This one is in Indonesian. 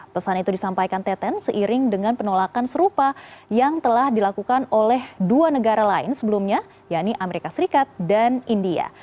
pesan itu disampaikan teten seiring dengan penolakan serupa yang telah dilakukan oleh dua negara lain sebelumnya yaitu amerika serikat dan india